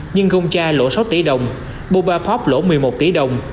nhưng gongcha lỗ sáu tỷ đồng bobapop lỗ một mươi một tỷ đồng